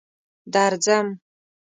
درځم.